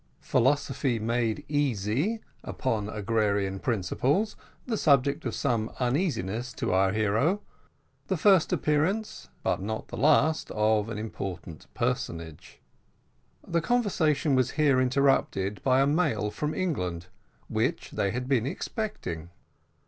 "PHILOSOPHY MADE EASY" UPON AGRARIAN PRINCIPLES, THE SUBJECT OF SOME UNEASINESS TO OUR HERO THE FIRST APPEARANCE, BUT NOT THE LAST, OF AN IMPORTANT PERSONAGE. The conversation was here interrupted by a mail from England which they had been expecting.